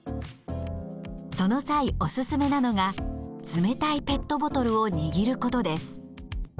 その際おすすめなのが冷たいペットボトルを握ることです。